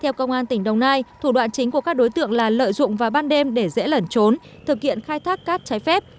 theo công an tỉnh đồng nai thủ đoạn chính của các đối tượng là lợi dụng vào ban đêm để dễ lẩn trốn thực hiện khai thác cát trái phép